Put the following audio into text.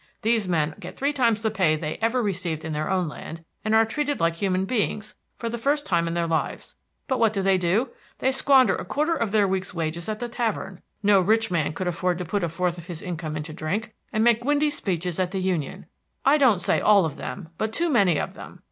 These men get three times the pay they ever received in their own land, and are treated like human beings for the first time in their lives. But what do they do? They squander a quarter of their week's wages at the tavern, no rich man could afford to put a fourth of his income into drink, and make windy speeches at the Union. I don't say all of them, but too many of them.